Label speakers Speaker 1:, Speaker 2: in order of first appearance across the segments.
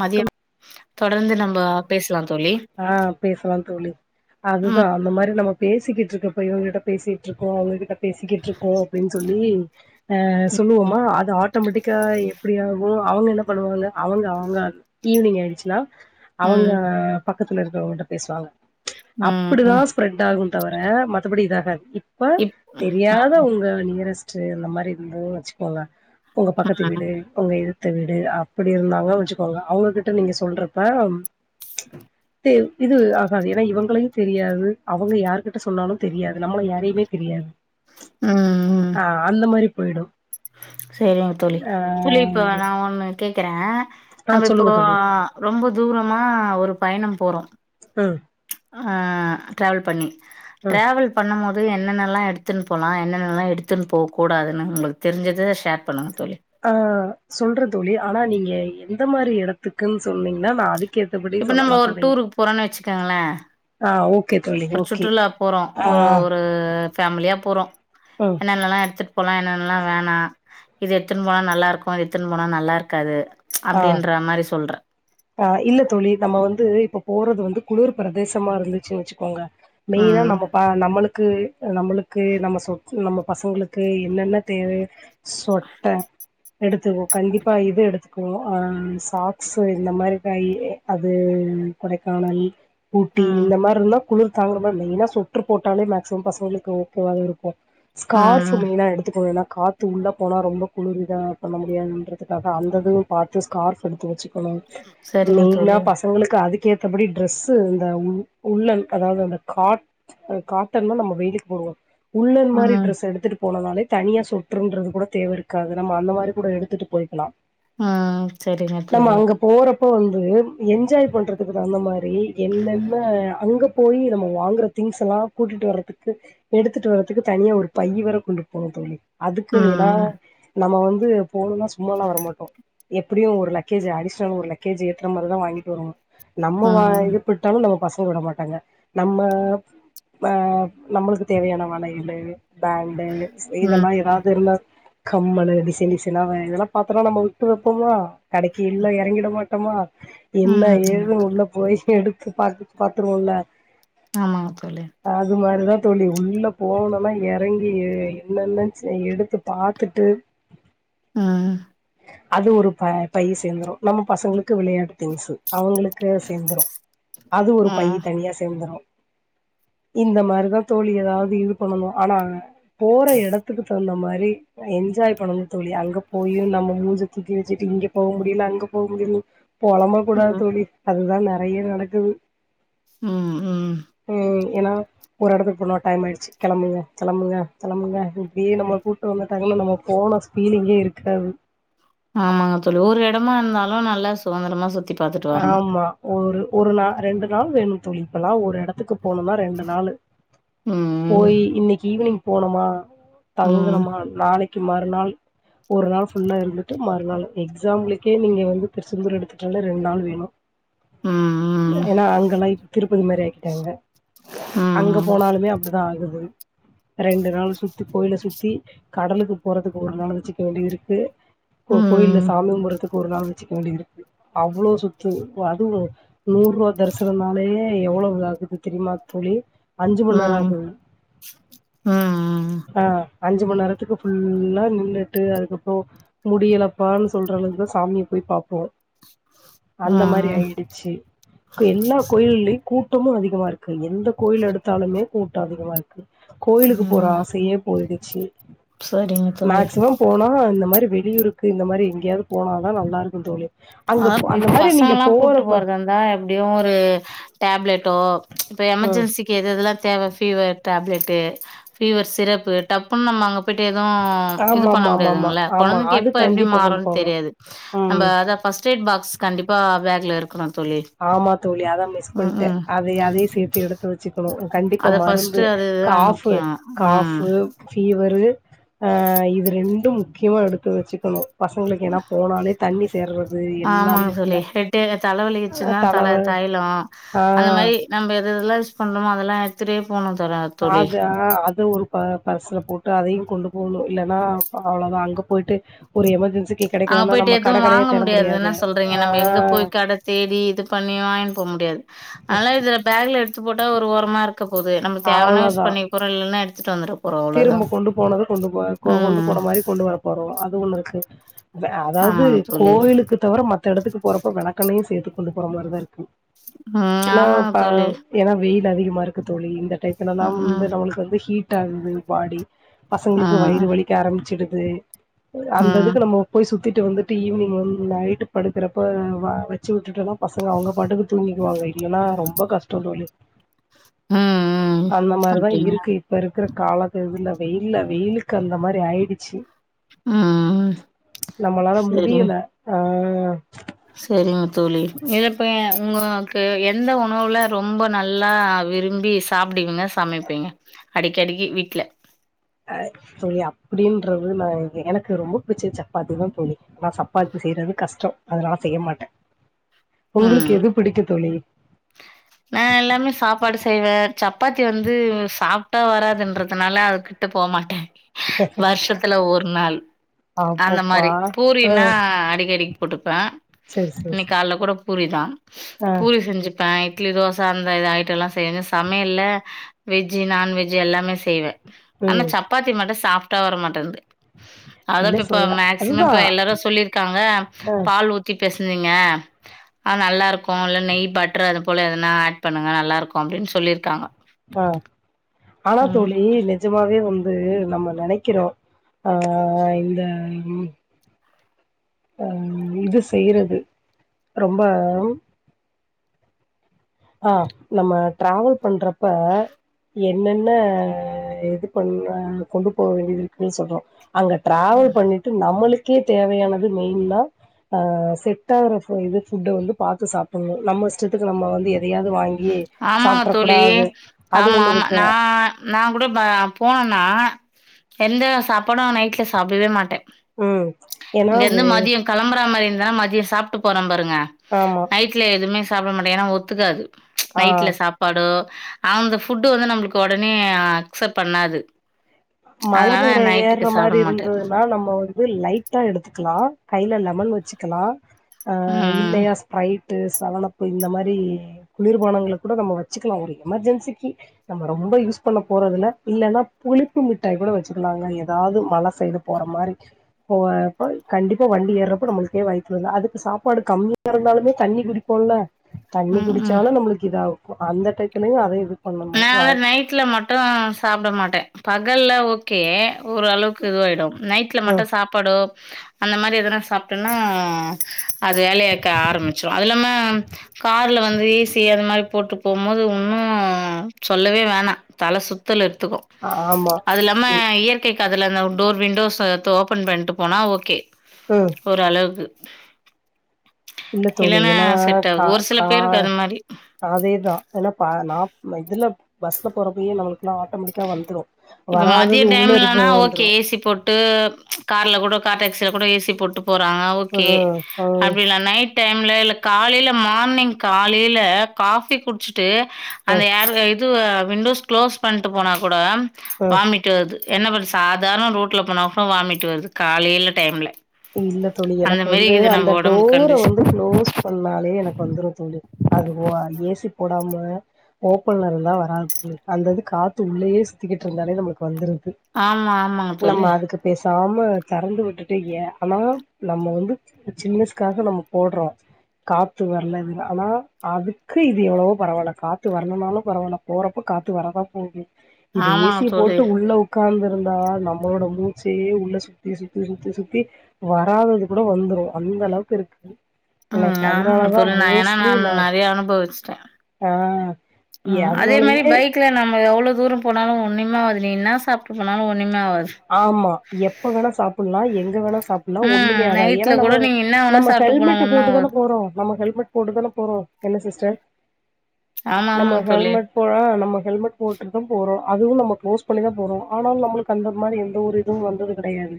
Speaker 1: மதியம் தொடர்ந்து நம்ம பேசலா தோழி
Speaker 2: ஆ பேசலா தோழி அதுதா
Speaker 1: ம்
Speaker 2: அந்த மாதிரி நம்ம பேசிட்டு இருக்கப்ப இவங்ககிட்ட பேசிட்டு இருக்கோ அவங்ககிட்ட பேசிக்கிட்டு இருக்கோ அப்டின்னு சொல்லி அ சொல்லுவோமா அது ஆட்டோமேட்டிக்கா இப் அப்டியாகு அவங்க என்ன பண்ணுவாங்க அவங்க அவங்க ஈவினிங் ஆயிடுச்சுனா அவங்க
Speaker 1: ம்
Speaker 2: பக்கத்துல இருக்கவகிட்ட பேசுவாங்க
Speaker 1: ம்
Speaker 2: அப்டிதா
Speaker 1: ம்
Speaker 2: ஸ்ப்ரெட் ஆகு தவர மத்தபடி இது ஆகாது அப்ப
Speaker 1: இப்
Speaker 2: தெரியாத உங்க நியரஸ்ட் அந்த மாதிரி இருந்துன்னு வச்சுக்கோங்க உங்க பக்கத்து
Speaker 1: ம்
Speaker 2: வீடு உங்க எ துத்த வீடு அப்டி இருந்தாங்க வெச்சுக்கோங்க அவங்ககிட்ட நீங்க சொல்றப்ப
Speaker 1: [inaudible]
Speaker 2: தெ இது ஆகாது ஏன்னா இவங்களையு தெரியாது அவுங்க யாருகிட்ட சொன்னாலு தெரியாது நம்மள யாரையுமே தெரியாது ஆ அந்த மாரி போயிடோ
Speaker 1: செரிங்க தோழி தோழி இப்ப நா ஒண்ணு கேக்குறே
Speaker 2: ஆ
Speaker 1: நம்ம இப்போ
Speaker 2: சொல்லுங்க தோழி
Speaker 1: ரொம்ப தூரமா ஒரு பயணம் போறோ
Speaker 2: ம்
Speaker 1: ஆ ட்ராவல் பண்ணி
Speaker 2: ம்
Speaker 1: டிராவல் பண்ணும்போது என்னென்னல்லா எடுத்துன்னு போலா என்னென்னல்லா எடுத்துன்னு போக்கூடாதுன்னு உங்குளுக்கு தெரிஞ்சுத ஷேர் பண்ணுங்க தோழி
Speaker 2: ஆ சொல்ற தோழி ஆனா நீங்க எந்த மாரி எடத்துக்குன்னு சொன்னீங்கன்னா நா அதுக்
Speaker 1: இப்ப நம்மோ ஒரு டூருக்கு போறோம்ன்னு வெச்சுக்கோங்களே
Speaker 2: ஆ ஓகே தோழி
Speaker 1: ஒரு
Speaker 2: ஓகே
Speaker 1: சுற்றுலா போறோ
Speaker 2: ஆ
Speaker 1: ஒ ஒரு ஃபேமிலியா போறோ
Speaker 2: ம்
Speaker 1: என்னென்னல்லா எடுத்துட் போலா என்னென்னல்லா வேணா இது எடுத்துன்னு போனா நல்லா இருக்கோ இது எடுத்துன்னு போனா நல்லா இருக்காது
Speaker 2: ஆ
Speaker 1: அப்டீன்ற மாரி சொல்றே
Speaker 2: ஆ இல்ல தோழி நம்ம வந்து இப்ப போறது வந்து குளிர் பிரதேசமா இருந்துச்சு வெச்சுக்கோங்க மெயினா
Speaker 1: ம்,
Speaker 2: நம்ம ப நம்முளுக்கு நம்முளு க்கு நம்ம சொத் நம்ம பசங்களுக்கு என்னென்ன தேவயோ சொட்டர் எடுத்துக்கோ கண்டிப்பா இது எடுத்து அப்றோ அ சாக்ஸு இந்த மாரி இதாய் அது கொடைக்கானல் ஊட்டி
Speaker 1: ம்,
Speaker 2: இந்த மாரி இருந்தா குளிர் தாங்குறது மெயினா சொட்று போட்டாலே மேக்சிமம் பசங்களுக்கு ஓகேவா இருக்கோ ஸ்கார்ஃபு
Speaker 1: ம்.
Speaker 2: மெய்னா எடுத்துக்கணும்ன்னா கா த்து உள்ளே போனா ரொம்போ குளிரு இதா பண்ண முடியாதுன்றதுக்காக அந்ததுவு பாத்து ஸ்கார்ஃப் எடுத்து வெச்சுக்கணோ
Speaker 1: சரிங்க
Speaker 2: மெய்னா
Speaker 1: தோழி.
Speaker 2: பசங் எங்குளுக்கு அதுக்கேத்தபடி ட்ரெஸ்ஸு இந்த உ உள்ளன் அதாவது அந்த காட் அ காட்டன் தா நம்ம வெய்லுக்கு போடுவோ உள்ளன் மாரி
Speaker 1: ம்,
Speaker 2: ட்ரெஸ்ஸு எடுத்துட்டு போனோனாலே தனியா சொட்றுன்றது கூட தேவ இருக்காது நம்ம அந்த மாரி கூட எடுத்துட்டு போயிக்குலா
Speaker 1: ஆ
Speaker 2: நம்ம அங்க போறப்போ வந்து என்ஜாய் பண்றதுக்கு தகுந்த மாரி என்னென்ன அங்க போய் நம்ம வாங்கறது திங்ஸலா கூட்டிட்டு வரதுக்கு எடுத்துட்டு வரதுக்கு தனியா ஒரு பையி வேற கொண்டு போணு தோழி அதுக்குன் ஏனா
Speaker 1: ம்,
Speaker 2: நம்ம வந்து போணுன்னா சும்மால்லா வரமாட்டோ எப்புடியு ஒரு லக்கேஜ அடிஷ்னல் ஒரு லக்கேஜ ஏத்ற மரிதா வாங்கிட்வருவோ நம்ம வா
Speaker 1: ம்,
Speaker 2: இது பிட்டாலு நம்ம பசங்க விட மாட்டாங்க நம்ம ம நம்முளுக்கு தேவையான வளையலு பேண்டு இத
Speaker 1: ம்,
Speaker 2: மாரி எதாவது இருந்தா கம்மலு டிசைன் டிசைனா வ இதெல்லா பாத்தோம்னா நம்மோ விட்டு வெப்போமா கடைக்கு இல்ல எறங்கிட மாட்டோமா என்ன
Speaker 1: ம்.
Speaker 2: ஏது உள்ள போய் எடுத்து பாத்து பாத்துருவோல
Speaker 1: ஆமாங்க தோழி
Speaker 2: அது மாரிதா தோழி உள்ள போனோனா எறங்கி எ என்னென்னன்னு செ எடுத்து பாத்துட்டு
Speaker 1: அ
Speaker 2: அது ஒரு ப பய்யி சேந்துரோ நம்ம பசங்களுக்கு விளையாட்டு திங்ஸு அவுங்குளுக்கு சேர்ந்துரோ அது ஒரு பய்யி
Speaker 1: ம்,
Speaker 2: தனியா சேந்துரோ இந்த மாரிதா தோழி ஏதாவது இது பண்ணணோ ஆனா போற எடத்துக்கு தகுந்த மாரி என்ஜாய் பண்ணனோ தோழி அங்க போயு நம்மோ மூஞ்சதூக்கி வெச்சிட்டு இங்க போவ முடியுல அங்க போவ முடியுல பொலம்ப கூடாது
Speaker 1: ம்,
Speaker 2: தோழி அதுதா நறைய நடக்குது
Speaker 1: ம், ம்.
Speaker 2: ம் ஏன்னா ஒரு எடத்துக் போணு டைம் ஆயிட்ச்சி கிளம்புங்க கிளம்புங்க கிளம்புங்க இப்டியே நம்மள கூட்டு வந்துட்டாங்கன்னா நம்ம போன ஃபீலிங்கே இருக்காது
Speaker 1: ஆமாங்க தோழி ஒரு எடமா இர்ந்தாலு நல்லா சுதந்தரமா சுத்திட்டு
Speaker 2: ஆம்மா ஒரு ஒரு நா ரெண்டு நாள் வேணு தோழி இப்பல்லா ஒரு எடத்துக்கு போனுன்னா ரெண்டு நாளு
Speaker 1: ம் ம்,
Speaker 2: போயி இன்னக்கி ஈவினிங் போனமா
Speaker 1: ம்,
Speaker 2: தங்குணமா நாளக்கி மறுநாள் ஒரு நாள் ஃபுல்லா இருந்துட்டு மறுநாள் எக்ஸம்ப்ளுக்கே நீங்க வந்து திருச்செந்தூர் எடுத்துட்டலே ரெண் நாள் வேணு
Speaker 1: ம், ம்,
Speaker 2: ஏனா அங்கலா இப் திருப்பதி மாரி ஆக்கிட்டாங்க அங்க
Speaker 1: ம்,
Speaker 2: போனாலுமே அப்டிதா ஆகுது ரெண்டு நாளு சுத்தி கோயில சுத்தி கடலுக்கு போறதுக்கு ஒரு நாள் வச்சுக்க வேண்டித் இருக்கு
Speaker 1: ம்,
Speaker 2: கோ கோயில
Speaker 1: ம்,
Speaker 2: சாமி கும்புட்றதுக்கு ஒரு நாள் வச்சுக்க வேண்டித் இருக்கு அவுளோ சுத்து ஒ அதுவு நூற்ருவா தரிசனனாலே எவுளவு ஆகுது தெரிய்மா தோழி அஞ்சு
Speaker 1: ம்,
Speaker 2: மண் நேர
Speaker 1: ம்,
Speaker 2: ஆக்குது
Speaker 1: ம்,
Speaker 2: அ அஞ்சு மண் நேரத்துக்கு ஃபுல்லா நின்னுட்டு அதுக்கப்றோ முடியலப்பான் சொல்ல அளவ்க் தா சாமிய போய் பாப்போ
Speaker 1: ம்,
Speaker 2: அந்த மாரி
Speaker 1: ம்.
Speaker 2: ஆய்டுச்சு கு எல்லா கோயில்லியு கூட்டமு அதிகமா இருக்கு எந்த கோயில் எடுத்தாலுமே கூட்ட அதிகமா இருக் கோயிலுக்கு போற
Speaker 1: ம்
Speaker 2: ஆசயே போய்டுச்சி
Speaker 1: சரிங்க தோழி
Speaker 2: வம் போனா இந்த மாரி வெளியூருக்கு இந்த மாரி எங்யாவ்து போனதா நல்லாருக்கு தோழி
Speaker 1: ஆ
Speaker 2: அங்க போ
Speaker 1: இப்
Speaker 2: அந்த மாரி நீங்க
Speaker 1: பசங்கல்லா கூட்டு
Speaker 2: போறப்ப
Speaker 1: போறதாந்தா எப் ப்டியு ஒரு டேப்லெட்டோ இப்ப
Speaker 2: ம்
Speaker 1: எமர்ஜென்சி கி எதெதுலா தேவ ஃபீவர் டேப்லெட்டு ஃபீவர் சிரப்பு டப்புன் நம்ம அங்க பிட்டு எது இது
Speaker 2: ஆமா
Speaker 1: பண்ண
Speaker 2: ஆமா ஆமா ஆமா
Speaker 1: முடியாதுங்ள
Speaker 2: ஆமா
Speaker 1: கொழந்தக்கி
Speaker 2: அது
Speaker 1: எப்ப எப்டி
Speaker 2: கண்டிப்பா கொண்டு
Speaker 1: மாறுன்
Speaker 2: போகணும்
Speaker 1: தெரியாது நம்ப
Speaker 2: ம்
Speaker 1: அதா ஃபஸ்ட் எய்ட் பாக்ஸ் கண்டிப்பா பேக்ல இருக்குனு தோழி
Speaker 2: ஆமா தோழி அதா மிஸ்
Speaker 1: ம்
Speaker 2: பண்ட்டு
Speaker 1: ம்
Speaker 2: அதை அதயே சேத்து எடு பு வச்சுக்குணு கண்டிப்பா
Speaker 1: அது
Speaker 2: மருந்து
Speaker 1: ஃபர்ஸ்ட்டு அதுதா
Speaker 2: காஃபு
Speaker 1: முக்கியோ ம்
Speaker 2: காஃபு ஃபீவரு அ இது ரெண்டு முக்கியமா எடுத்து வெச்சிக்கணு பசங்ளுக்கு ஏனா போனாலே தண்ணி சேர்றது எல்லா இருச்சு இல்ல
Speaker 1: தடு லைவலிகிசினா தல தைலோ
Speaker 2: ஆ
Speaker 1: அந்த மரி நம்ப எது எதுல்லா யூ பண்ணமோ அதெல்லா எத்துட்டே போனு தோழர்
Speaker 2: ஆது அ அது ஒரு ப பர்சுல போட்டு அதையு கொண்டு போணு இல்லன்னா அவ்வளவுதா அங்க போய்ட்டு ஒரு எமர்ஜென்சிக்கு கடைக்கு
Speaker 1: அங்க
Speaker 2: வந்தா
Speaker 1: போயிட்டு
Speaker 2: நம்ம
Speaker 1: எதுவு
Speaker 2: கட கடையா
Speaker 1: வாங்க
Speaker 2: தேட
Speaker 1: முடியாதுன்னா
Speaker 2: முடியாது
Speaker 1: சொல்றீங்க
Speaker 2: ஆ
Speaker 1: நம்ம எங்க போய் கட தேடி இது பண்ணி வாங்கின் போ முடியாது அதனால இதுல பேக்ல எடுத்து போட்டா ஒரு ஓரமா இருக்க போது நம்மளுக் தேவன்னா யூஸ்
Speaker 2: அவ்ளோதா
Speaker 1: பண்ணி பொருள் இல்லன்னா எடுத்துட்டு வந்துரு
Speaker 2: திரும்ப கொண்டு போனது கொண்டு போ கோ கொண்டு
Speaker 1: ம்
Speaker 2: போன மாரி கொண்டு வர போறோ அது ஒன்னு இருக்கு அதாவ்து
Speaker 1: ஆமாங்க தோழி
Speaker 2: கோவிலுக்கு தவுர மத்த எடத்துக்கு போறப்ப விளக்கண்ணயு சேத்து கொண்டு போற மாரிதா இருக்கு
Speaker 1: ம்
Speaker 2: எனா
Speaker 1: ஆமாங்க
Speaker 2: இப்ப
Speaker 1: தோழி
Speaker 2: ஏனா வெயில் அதிகமா இருக்கு தோழி இந்த டைத்துனலா
Speaker 1: ம் ம்
Speaker 2: வந்து நம்மளுக்கு வந்து ஹீட் ஆகுது பாடி பசங்ளுக்கு
Speaker 1: ம்
Speaker 2: வயிறு வலிக்க ஆரம்மிச்சிடுது
Speaker 1: ம்
Speaker 2: அந்ததுக்கு நம்மோ போய் சுத்திட்டு வந்துட்டு ஈவ்னிங் வந் நைட்டு படுக்குறப்ப வ வச்சு உட்டுட்டேனா பசங்க அவுங்க பாட்டுக்கு தூங்கிடுவாங்க இல்லனா ரொம்ப கஷ்ட்டோ தோழி
Speaker 1: ம் ம்
Speaker 2: அந்த மாரிதா இருக்கு
Speaker 1: அப்டிங்களா
Speaker 2: இப்ப இருக்குற காலத் இதுல வெய்யில வெயிலுக் அந்த மாரி ஆயிடுச்சு
Speaker 1: ம் ம்
Speaker 2: நம்மளால முடியல ஆ
Speaker 1: செரிங் தோழி இது இப்ப உங்கிளுக்கு எந்த உணவுல ரொம்ப நல்லா விரும்பி சாப்ட்டீங்கன்னா சமைப்பேங்க அடிக்கடிக்கி வீட்ல
Speaker 2: அ தோழி அப்படின்றது நா எனக்கு ரொம்ப புச்சுசா சப்பாத்திதா தோழி நா சப்பாத்தி செய்யறது கஷ்டோ அதனால செய்ய மாட்டே உங்களுக்கு
Speaker 1: ம்
Speaker 2: எது பிடிக்கு தோழி
Speaker 1: நா எல்லாமே சாப் ப்பாடு செய்வே சப்பாத்தி வந்து சாப்ட்டா வராதுன்றதுனால அது கிட்ட போ மாட்டே வர்ஷத்துல ஒரு நாள் அந்த
Speaker 2: ஆப்பப்பா
Speaker 1: மாரி
Speaker 2: ஆ
Speaker 1: பூரினா அடிக்கடி போட்டுப்பே
Speaker 2: செரி செரி
Speaker 1: இன்னைக்
Speaker 2: செரி
Speaker 1: கால கூட பூரிதா
Speaker 2: ஆ
Speaker 1: பூரி செஞ்சு இட்லி தோச அந்த இது ஐட்டல்லா செய்வே சமையல்ல வெஜ்ஜு நான்வெஜ்ஜு எல்லாமே செய்வே ஆனா
Speaker 2: ம்
Speaker 1: சப்பாத்தி மட்டு சாஃப்டா வர மாட்டேன்து அதா
Speaker 2: இல்ல
Speaker 1: இப்ப
Speaker 2: சோ
Speaker 1: இப்ப மேக்சிமம்
Speaker 2: அதுதா
Speaker 1: இப்ப எல்லாரு சொல்லியிருக்காங்க
Speaker 2: ஆ
Speaker 1: பால் ஊ த்தி பெசனீங்க ஆ நல்லா இருக்கு இல்ல நெய் பட் ரு அது போல எதனா ஆட் பண்ணுங்க நல்லா இருக்கும் அப்டின் சொல்லியிருக்காங்க
Speaker 2: அ ஆனா
Speaker 1: ம்.
Speaker 2: தோழி நெ ஜமாவே வந்து நம்ம நெனைக்கிறோ ஆ இந்த அம் இது செய்யறது ரொம்ப ஆ நம்ம டிராவல் பண்றப்ப என்னென்ன இது பண்ண கொண்டு போக வேண்டிது இருக்குன் சொல்றோ அங்க டிராவல் பண்ணிட்டு நம்மளுக்கே தேவையானது மெயின்னா ஆ செட்டா ஒரு ஃபு இது ஃபுட்ட வந்து பாத்து சாப்பண்ணு நம்ம இஷ்டத்துக்கு நம்ம வந்து எ எதையாவது வாங்கி
Speaker 1: ஆமாங்க
Speaker 2: சாப்ற்ற
Speaker 1: தோழி.
Speaker 2: கூடாது அது ஒன்னு இருக்கு
Speaker 1: நா கூட ம போனோன்னா எந்த சாப்பாடு நைட்ல சாப்பவே மாட்டே
Speaker 2: ம் ஏன்னா
Speaker 1: இங்க இந்து
Speaker 2: வே
Speaker 1: மதியம் களம்பற மாரி இருந்தனா மதிய சாப்ட்டு போற பாருங்க
Speaker 2: ஆமா
Speaker 1: நைட்ல எதும்மே சாப்பட மாட்டிகிறா ஒத்துக்காது
Speaker 2: ஆ
Speaker 1: நைட்ல சாப்பாடு அந்த ஃபுட்டு வந்து நம்மளுக்கு உடனே அக்செப்ட் பண்ணாது
Speaker 2: மழ
Speaker 1: அதனால
Speaker 2: பெய்ற ஏற்ற
Speaker 1: நைட்டுக்கு
Speaker 2: மாரி
Speaker 1: சாப்ட மாட்டேன்.
Speaker 2: இருந்ததுன்னா நம்ம து லைட்டா எடுத்துக்கலா கையில லெமன் வச்சுக்கலா ஆ
Speaker 1: ம்.
Speaker 2: இல்லையா பிரைட்டு சவனப்பு இந்த மாரி குளிர்பானங்கள கூட நம்ம வச்சுக்கலா ஒரு எமர்ஜென்சிக்கு நம்ம ரொம்ப யூஸ் பண்ண போறதுல இல்லன்னா புளிப் பு மிட்டாய் கூட வச்சுக்கலாங்க எதாவது மல செய்டு போற மாரி போ அப்ப கண்டிப்பா வண்டி ஏற்றப்ப நம்மளுக்கே வய்த்துலந்து அதுக்கு சாப்பாடு கம்மி திறந்தாலுமே தண்ணி குடிப்போம்ல தண்ணி
Speaker 1: ம்ஹ்ம்.
Speaker 2: குடிச்சாலு நம்மளுக்கு இதாகு அந்த டைத்தலயு அதே இது பண்ணணு
Speaker 1: நா அத நைட்ல மட்டு சாப்பட மாட்டே பகல்ல ஓகே ஓரளவுக்கு இதுவாயிடு நைட்ல மட்டு சாப்பாடோ அந்த மாரி எதுனா சாப்ட்டன்னா அது வேலயக்கா ஆரம்பிச்சிடு அது இல்லாம கார்ல வந்து ஏசி அது மாரி போட்டு போகு போது உன்னு ம் சொல்லவே வேணா தல சுத்தல் எடுத்துக்கு
Speaker 2: ஆமா
Speaker 1: அது இல்லாம இயற் கேகாதுல அந்த டோர் விண்டோஸ்ஸ ஓபன் பண்ட்டு போனா ஓகே
Speaker 2: ம்
Speaker 1: ஒரு அளவுக்கு
Speaker 2: இல்ல தோழி
Speaker 1: இல்லன்னா
Speaker 2: ஏன்னா
Speaker 1: செட் ஆகுது ஒரு சில பேருக்கு அது மாரி
Speaker 2: அதேதா ஏன்னா ப நா இதுல பஸ்ல போறப்பயே நம்மளுக்குல்லா ஆட்டோமெட்டிக்க வந்துரு
Speaker 1: இப்ப மதிய
Speaker 2: வராதது உள்ள இருந்து
Speaker 1: டைம்லனா ஓகே
Speaker 2: வந்துரு
Speaker 1: ஏ சி போட் ட்டு கார்ல கூட கார் டாக்ஸில கூட ஏ சி போட்டு போறாங்க ஓகே
Speaker 2: ம் ம்
Speaker 1: அப்டில்ல நை டைம்ல இல்ல காலையில மார்னிங் காலையில காஃபி குட்சுட்டு அந்த
Speaker 2: ம்
Speaker 1: ஏர் இது விண்டோஸ் க்ளோஸ் பண்ணிட்டு போனா கூட
Speaker 2: ம்
Speaker 1: வாமிட் டு வருது என்ன பண் சாதாரண ரோட்ல போனப வாமிட் வருது காலையில டைம்ல
Speaker 2: இல்ல தோழி
Speaker 1: அந்த
Speaker 2: எனக்கு
Speaker 1: மாரி
Speaker 2: வந்து
Speaker 1: இருக்குது
Speaker 2: அந்த
Speaker 1: நம்ம ஒடம்பு
Speaker 2: டோர
Speaker 1: கண்டிஷன்.
Speaker 2: வந்து குளோஸ் பண்ணாலே எனக்கு வந்துரு தோழி அது ஒ ஏசி போடாம ஓப்பன்ல இருந்தா வராது அந்திது காத்து உள்ளையே சுத்திக்கிட்டு இருந்தாலே நமக்கு வந்துருது
Speaker 1: ஆமா ஆமாங்க
Speaker 2: நம்ம
Speaker 1: தோழி
Speaker 2: அதுக்கு பேசாம தறந்து விட்டுட்டு ஏ ஆனா நம்ம வந்து ஜில்னஸ்காக நம்ம போட்றோ காத்து வர்லல்ன் ஆனா அதுக்கு இது எவ்ளோ பரவால்ல காத்து வர்லனாலு பரவால்ல போறப்ப காத்து வரதா போவுது இது
Speaker 1: ஆமாங்க
Speaker 2: ஏசிய
Speaker 1: தோழி.
Speaker 2: போட்டு உள்ள ஒ ஒக்காந்திருந்தா நம்மளோட மூச்சையே உள்ள சுத்தி சுத்தி சுத்தி சுத்தி வராதது கூட வந்துரு அந்த அளவுக்கு இருக்
Speaker 1: உம் ஆமாங்க தோழி நா என்னனா நா நெறைய அனுபவெச்சிட்டே
Speaker 2: ஆ ஏ
Speaker 1: அதே மாரி
Speaker 2: அதனாலயே
Speaker 1: பை க்ல நம்ம எவ்ளோ தூர போனாலு ஒன்னுமே ஆவாது நீ என்ன சாப்ட்டு போனாலு ஒன்னுமே ஆவாது
Speaker 2: ஆம்மா எப்ப வேணா சாப்பலா எங்க வேணா சாப்படனா
Speaker 1: ம்
Speaker 2: ஒண்ணுமே ஆகாது ஏனா
Speaker 1: நைட்ல கூட
Speaker 2: நம்ம
Speaker 1: நீங்க என்ன வேணா
Speaker 2: நம்ம
Speaker 1: சாப்ட்டு போலா
Speaker 2: ஹெல்மெட்ட
Speaker 1: ஒண்ணும்
Speaker 2: போட்டு தான
Speaker 1: ஆவாது.
Speaker 2: போறோ நம்ம ஹெல்மெட் போட்டுதான போறோ என்ன சிஸ்டர்
Speaker 1: ஆமா
Speaker 2: நம்ம
Speaker 1: ஆமாங்க தோழி.
Speaker 2: ஹெல்மெட் போ நம்ம ஹெல்மெட் போட்டுது போறோ அதுவும் நம்ம குளோஸ் பண்ணி தா போறோ ஆனாலு நம்ளுக்கு அந்த மாரி எந்த ஒரு இதுவும் வந்தது கிடையாது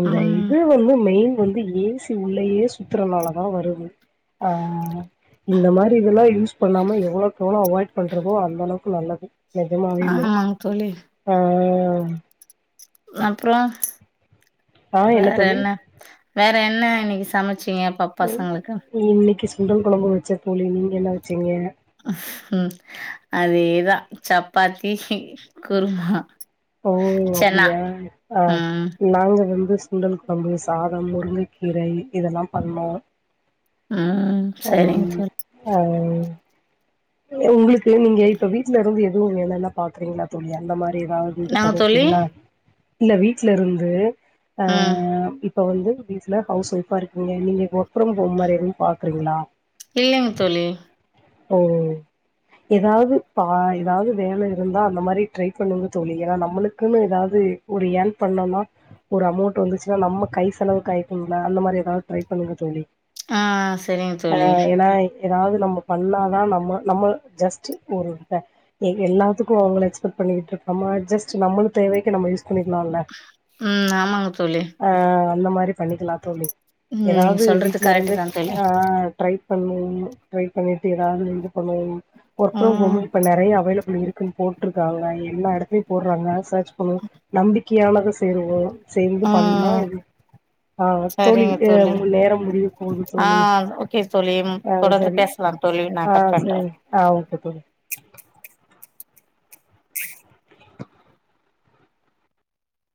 Speaker 2: இந்த
Speaker 1: ம்
Speaker 2: இது வந்து மெயின் வந்து ஏ சி உள்ளையே சுத்தரனாலதா வருது ஆ இந்த மாரி இதல்லா யூஸ் பண்ணாம எவ்வளோக்கு எவ்ளோ அவாய்ட் பண்றமோ அந்த அளவுக்கு நல்லது நெஜமாவேக
Speaker 1: ஆமாங்க தோழி.
Speaker 2: ஆ
Speaker 1: அப்றோ
Speaker 2: ஆ
Speaker 1: வேற
Speaker 2: தோழி?
Speaker 1: என்ன வேற என்ன இன்னைக்கிஸ் சமச்சிங்க எப்ப பசங்களுக்கு
Speaker 2: இன்னைக்கி சுண்டல் கொழம்பு வச்சந் தோழி நீங்க என்னா வெச்சீங்க
Speaker 1: ம் அதேதா சப்பாத்தி குருமா
Speaker 2: ஓ
Speaker 1: சன்னா.
Speaker 2: அப்டியா ஆ
Speaker 1: ம்
Speaker 2: நாங்க வந்துஸ் சுண்டல் கொழம்பு சாதம் முருங்கக்கீரை இதல்லா பண்ணோ
Speaker 1: ம் சரிங்க தோழி.
Speaker 2: [unintelligible] ஏ உங்களுக்கு நீங்க இப்ப வீட்ல இருந்து எதுவு வேலல்லா பாக்கறீங்களா தோழி அந்த மாரி எதா ந்து
Speaker 1: என்னாங்க தோழி?
Speaker 2: பண்ணிரிக்கீங்களா இல்ல வீட்ல இருந்து அ
Speaker 1: ம்
Speaker 2: இப் இப்ப வந்து வீட்ல ஹவுஸ் ஒய்ஃபா இருக்கீங்க நீங்க ஒர்க் பிரம் ஹோம் மாரி எதும் பாக்றீங்களா
Speaker 1: இல்லங் தோழி
Speaker 2: ஓ எதாவுது பா எதாவுது வேல இருந்தா அந்த மாரி ட்ரை பண்ணுன்னுங்க தோழி ஏன்னா நம்மளுக்குன்னு எதாது ஒரு ஏன் பண்ணமா ஒரு அமோட் வந்துச்சுன்னா நம்ம கை செலவுக் ஆயிக்கும்ல்ல அந்த மாரி எதாவ்து ட்ரை பண்ணுங்க தோழி
Speaker 1: ஆ சரிங்க
Speaker 2: அ
Speaker 1: தோழி.
Speaker 2: ஏன்னா எதாவ்து நம்ம பண்ணாதா நம்ம நம்மள் ஜஸ்ட்டு ஒரு க எ எல்லாத்துக்கு அவுங்ள எக்ஸ்பெக்ட் பண்ணிகிட்டு அம்ம ஜஸ்ட்டு நம்மலு தேவைக்கு நம்ம யூஸ் புண்ணிக்லால்லா
Speaker 1: ம் ஆமாங்க தோழி.
Speaker 2: அ அந்த மாரி பண்ணிக்கிலா தோழி
Speaker 1: ம் நீங்க
Speaker 2: எதாவது
Speaker 1: சொல்றது
Speaker 2: வீட்ல இருந்து
Speaker 1: கரெக்ட்டு தான் தோழி.
Speaker 2: ஆ ட்ரை பண்ணுவு ட்ரை பண்ணிட்டு எதாது இது பண்ணுவூ ஒர்க் ஃப்ரம்
Speaker 1: ம்
Speaker 2: ஹோமு இப்ப நெறைய அவைளபிள் இருகுன் போட் டுட்ருக்காங்க எல்லா எடத்லியு போட்றாங்க சர்ஜ் பண்ணு நம்பிககியானத சேருவோ சேந்து பண்ணா
Speaker 1: ம்
Speaker 2: எது ஆ தோழி ய நேரம் முடிய போகுது
Speaker 1: ஆ
Speaker 2: தோழி அ சரி
Speaker 1: லார் தோழி நா கட் பண்ற
Speaker 2: அ ஓகே தோழி